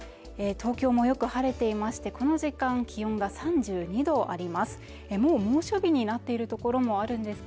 東京もよく晴れていましてこの時間、気温が３２度あります。